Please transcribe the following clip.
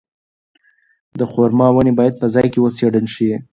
د خورما ونې باید په ځای کې وڅېړل شي.